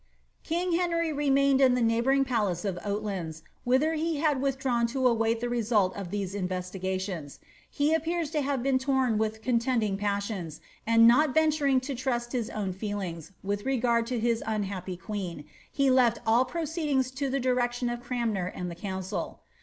»'" King Henry remained in the neighbouring palace of Oatlands^i he had withdrawn to await the result of these investigatioiH appears to have been torn with contending passions, and not rea to trust to his own feelings, with regard to his unhappy queen, all proceedings to the direction of Cranmer and the council.